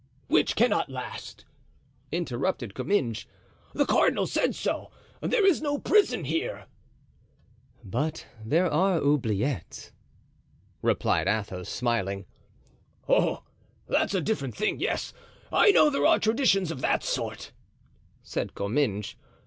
"Which cannot last," interrupted Comminges; "the cardinal said so; there is no prison here." "But there are oubliettes!" replied Athos, smiling. "Oh! that's a different thing; yes, I know there are traditions of that sort," said Comminges.